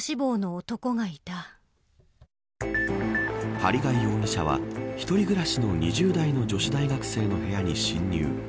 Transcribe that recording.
針谷容疑者は、一人暮らしの２０代の女子大学生の部屋に侵入。